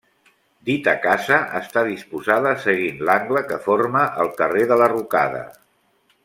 Dita casa està disposada seguint l'angle que forma el carrer de la Rocada.